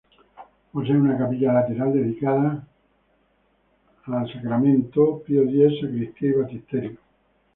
Posee una capilla lateral, dedicadas al Santísimo Sacramento, Pío X, sacristía y baptisterio.